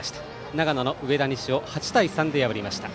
長野の上田西を８対３で破りました。